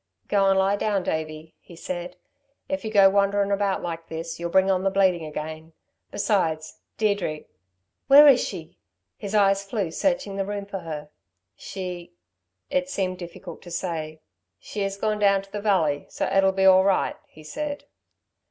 "Go and lie down, Davey," he said. "If you go wandering about like this, you'll bring on the bleeding again. Besides, Deirdre " "Where is she?" His eyes flew searching the room for her. "She" it seemed difficult to say "She has gone down to the Valley, so it'll be all right," he said.